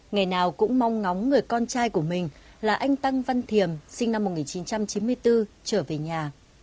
ngày nào cũng mong ngóng người con trai của mình là anh tăng văn thiềm sinh năm một nghìn chín trăm chín mươi bốn trở về nhà